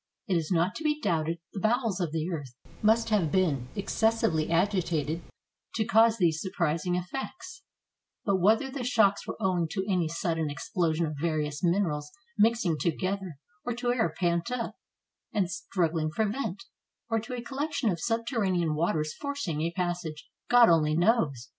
It is not to be doubted the bowels of the earth must have been excessively agitated to cause these sur prising effects; but whether the shocks were owing to any sudden explosion of various minerals mixing to gether, or to air pent up, and strugghng for vent, or to a collection of subterranean waters forcing a passage, God only knows.